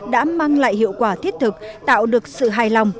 đã mang lại hiệu quả thiết thực tạo được sự hài lòng